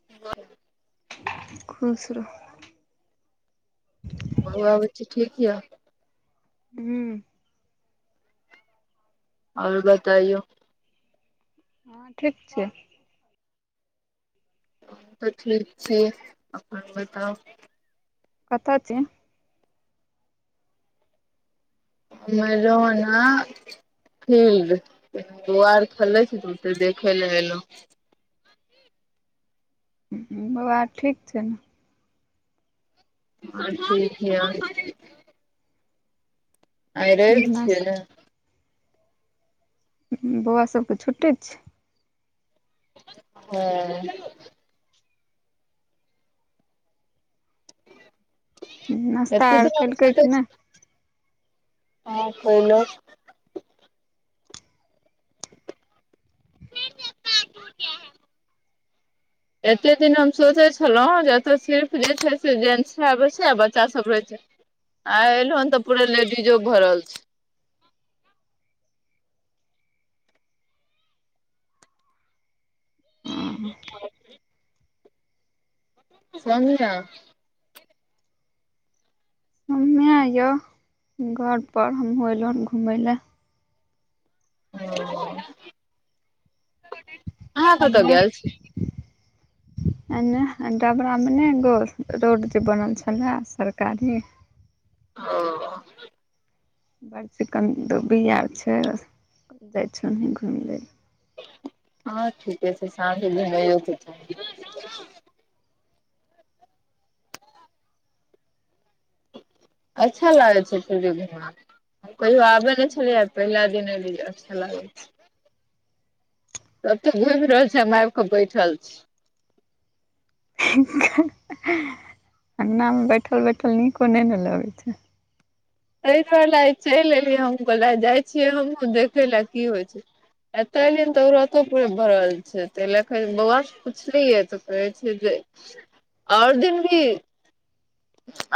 [unintelligible] खुश रहुँ। बउआ बुच्ची ठीक य हम्म ओर बतायो। हँ ठीक छै। त ठीक छैय अपन बताउ। कत छी मेलोना हम्म दुोआर खेले छै त ओते देखे लए एलो। बउवा ठीक छैन न ह ठीक छै आहा [unintelligible] आइ रैब छिए नास न हम्म बउवा सभके छुटै छै अच्छा अ नास्ता आर केलकै कि [unintelligible] [unintelligible] [inaudible] एतेक दिन हम सोचै छलहुँ हेँ जे एतय सिर्फ जे छै से जेंट्स आबैत छै आ बच्चासभ रहै छै। आइ एलहोन त पूरा लेडीजो भरल छै। नहि से क्या अइच्छ समझा हमे यो घर पर हमहुँ एलहु घुमय ल। ह आहा कत एने गैल छी। एने डबरा मे ने एगो रोड जे बनल छल सरकारी। औ अ बड चिकन दू बीया छै जाइ छी ओनी घुमि लै। हँ ठीके छै शाँझे घुमेंयो के चाही। अच्छा लागै छै फूर घुमना। हम कहियो आबे ने छलियै पहिला दिन एलैया अच्छा लागै। सब तऽ घुमि रहल छी हम आब कऽ बैठल छी। अन्ना में बैठल बैठल नीको नहि ने लगैत छै। एहिस ल चलि एलिय हम कह जाइ छियै हमहुू देखे ले की होइ छै। एतऽ एलियैनि तऽ औरतो पूे भरल छै त ल बौआ पुछलियै तऽ। छै आओर दिन भी।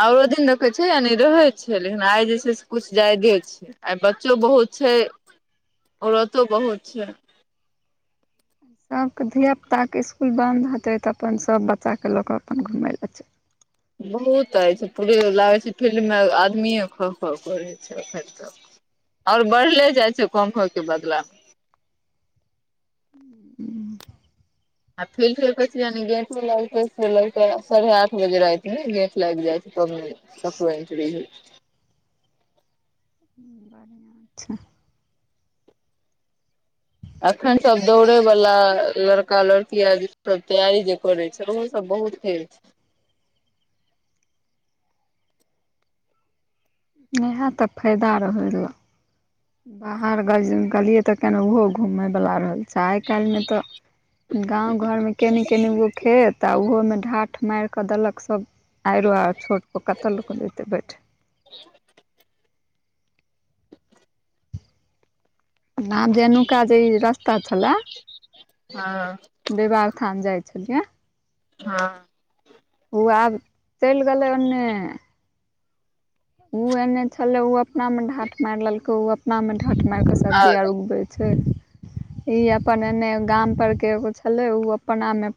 औरो दिन देखे छै यानि रहै छै लेकिन आइ जे छै से कुछ जादे छै। आई बच्चो बहुत छै औरतो बहुत छै। सबके धियापुताके स्कुल बन्द हेतै तऽ अपन सब बच्चाके लऽ कऽ अपन घुमय लए। बहुतइ छै पूे लागैत छै फील्डमे आदमीे ख ख करैत छै एखन तक। आओर बढ़ले जाइ छै कम होई के बदला। बढ़िआँ आ फिल छै यान गेंटो लागे ल साढ़े आठ बजे राति मे गेंट लागि जाइ छै तब ने। Software engineer. [inaudible] अच्छा। अखन सब दौड़े वला लड़का लड़की आ सभ तैयारी जे करै छै ओहोसभ बहुत। [unintelligible] नेहा तऽ फायदा रहय लऽ। बाहर गेलियै तऽ कना ओहो घूमयवला रहल छै आइ काल्हिमे तऽ। गाँंव घर मे केनि केनि गो खेत आ ओहो मे ढाट। मारि कऽ देलक सब आइरो आर छोटो कतऽ लोक जेतैय बैठ। हं। [inaudible] आब जनुका जे इ रस्ता छलै। ह। विवारथान जाय छलियै। हां। ओ आब चलि गेलैय ओनैय। उ एने छलैय ओ अब। अपनामे ढाँठ मारि लेलको ओ अपनामे ढाँठ मारिकऽ आ सबजी आर उगबैय छैय। इ अपन एने गाम पर के एगो छलैय ओ।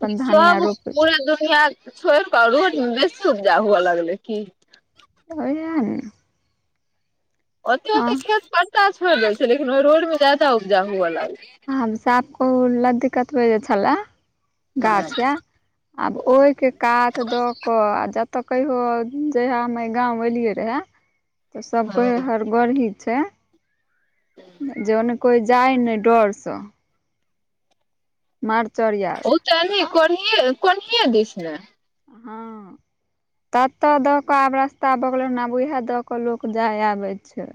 इ सब पूरा दुनिया छोड़ि कऽ रोड मे बेसी उपजा हुऽ लगलै की। [unintelligible] ओते हँ ओते खेत परता छोड़ि दैय छैय लेकिन ओ रोडमे जादा उपजा हुऽ लगले। हम साफ कहु लदिककतब जे छलए हँ गाछ या। आब ओहिके कात दऽ कऽ आ जतऽ कहियो जहिया हम गाँंव एलियै रहै। [inaudible] तऽ सब हँ कोई हर गरही छैय जन कोई जाय न डर। स। मारचर यार। चली कोरही कोनहिे दिस न। हां। तत दऽ क आब रस्ता भगले न आब उएह दऽ क लोक जाय आबेय छैय।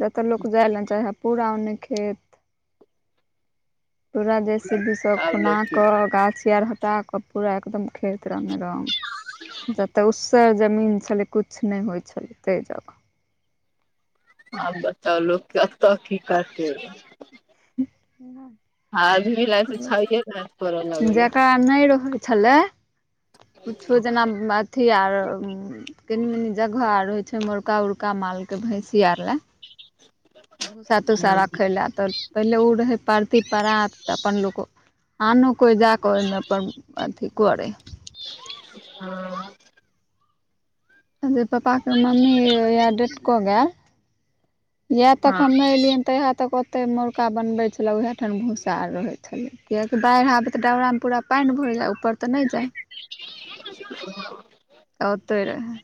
जतऽ लोक जाय लै न चाहे ह पूरान अन खेत। पुरा जेसी भी सब आब खुना लोक की कऽ गाछी आर हटा कऽ पुरा एकदम खेत रामे राम जतऽ उसर जमीन छलैय कुछ नै होइ छलैय तै जगह। आब बताउ लोक कतह की करतैय? आब भी लायक छैये न करै लगऽ ले। नै रहल छलैय कुछो जेना म अथी आर कनी मनी जगह आर होइ छैय मोरका उरका मालके भैंसी आर लऽ। भुसा तुसा राखैय लैऽ तऽ। पहिले ओ रहैय परती परात तऽ अपन लोक आनो कोइ जा कऽ ओहिमे अपन अथी करैय। ह। जे पापा के मम्मी या डेट कऽ गेल। इह तक हँ हम नै एलियैन तहिया ओत ओते मोड़का बनबे छलैय उहे ठाम भूसा आर रहे छलेय कियकि बाढ़ि आबे त डबरामे पुरा पानि भरि जाइ ऊपर तऽ नहि जाइ। ओतैय रहैय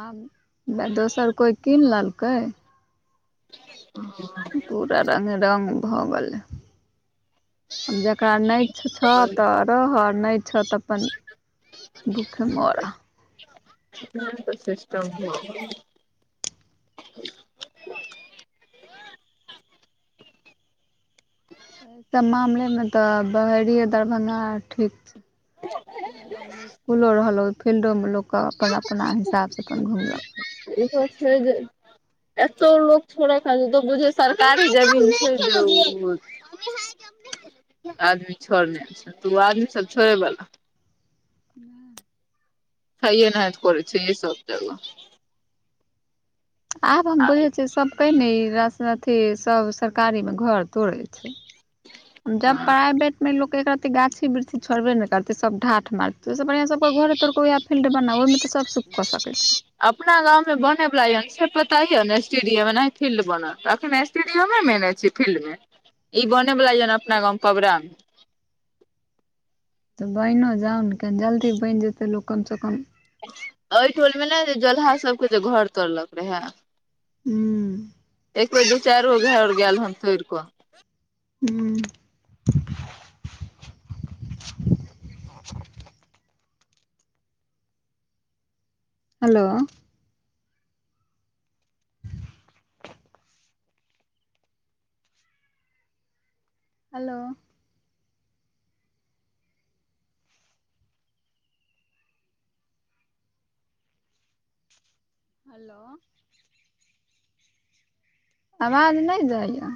आब दोसर कोइ कीन लेलकै। ओ। पूरा रंगे रंग भऽ गेलैय। आब जकरा नै छह तऽ रहह नै छह तऽ अपन भुखे मरऽ। त सिस्टम भ गेलई। त मामलेमे तऽ बहरीे दरभंगा ठीक छैय। लगमे स्कूलो रहल ओ फील्डोमे लोग के अपन अपना हिसाब सअपन घुमलक। इहो छैय जे एतो लोक थोरे काल त बुझे सरकारी जमीन छैय न उ आदमी छोड़ने छै तू आदमी सब छोड़े वाला ह्म्म। हइये एनाहते करे छै ऐ सब जगह। आब हम आ बुझे छियै सबके मे ई राश अथी सब सरकारी मे घर तोड़े छै। जब हँ प्राइवेट मे लोक एकरा गाछी वृक्षी छोड़बे ने करते सब ढाठ मारते अए स बढ़िया सब घर तोरह क वे ह फी्लड बनाउ ओई मे तऽ सब कऽ सकैय छै। अपना गाँव मे बने बला य से पता य ने स्टेडियम अनाहि फील्ड बनत अखने स्टेडियमे मेने छी फील्ड मे ई बने वाला य अपना गाँव में पबरा मे। त बइनो जाउ ने जल्दी बनि जेतै लोक कम सँ कम एय ठोल मे ने जे जोलहा सबके जे घर तोरलक रहे। हुँ एक बेेर दू चाइर गो घर गेल हन तोरि कऽ हू। [unintelligible] हेलो। हेलो। हेलो। आवाज नहि जाइय?